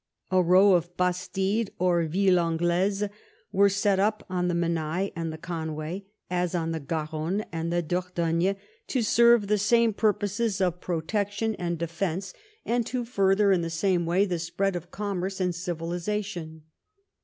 A row of "bastides " or " villes anglaises " were set up on the Menai and the Conway as on the Garonne and the Dor dogne, to serve the same purposes of protection and 116 EDWARD I CHAP. defence, and to further in the same way the spread of commerce and civilisation.